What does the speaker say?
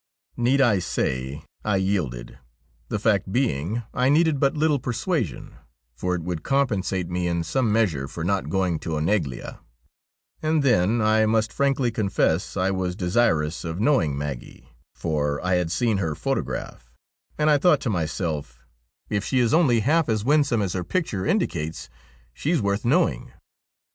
Need I say I yielded ; the fact being I needed but little persuasion, for it would compensate me in some measure for not going to Oneglia ; and then I must frankly confess I was desirous of knowing Maggie, for I had seen her photograph, and I thought to myself, ' if she is only half as winsome as her picture indicates, she's worth knowing.'